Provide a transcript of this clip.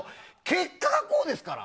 結果がこうですから。